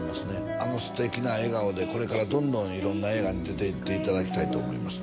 あの素敵な笑顔でこれからどんどん色んな映画に出ていっていただきたいと思いますね